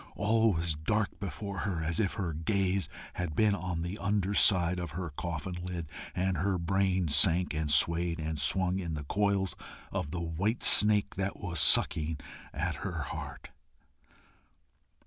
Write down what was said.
All was dark before her, as if her gaze had been on the underside of her coffin lid, and her brain sank and swayed and swung in the coils of the white snake that was sucking at her heart.